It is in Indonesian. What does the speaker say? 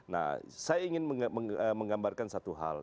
nah saya ingin menggambarkan satu hal